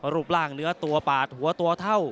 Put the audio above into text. รูปร่างเนื้อตัวปาดหัวตัวเท่า